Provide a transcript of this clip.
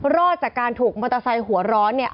รอดจากการถูกมอเตอร์ไซค์หัวร้อนเนี่ย